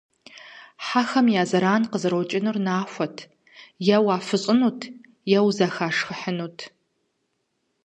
Хьэхэм я зэран къызэрокӀынур нахуэт - е уафыщӏынут, е узэхашхыхьынут.